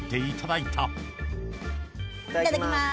いただきます。